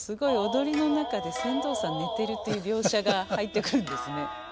踊りの中で船頭さん寝てるっていう描写が入ってくるんですね。